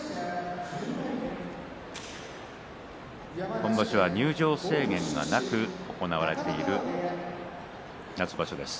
今場所は入場制限なく行われている夏場所です。